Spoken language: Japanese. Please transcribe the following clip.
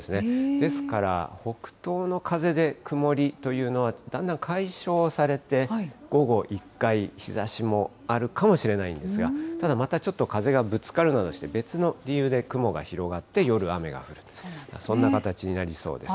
ですから、北東の風で曇りというのは、だんだん解消されて、午後、１回日ざしもあるかもしれないんですが、ただ、またちょっと風がぶつかるので、別の理由で雲が広がって、夜雨が降る、そんな形になりそうです。